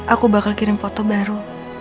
aku bakal kirim foto baru